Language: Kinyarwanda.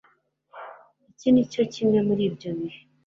iki ni kimwe muri ibyo bihe